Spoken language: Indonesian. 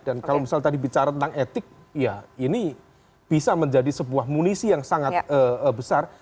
dan kalau misalnya tadi bicara tentang etik ya ini bisa menjadi sebuah munisi yang sangat besar